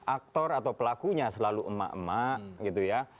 aktor atau pelakunya selalu emak emak gitu ya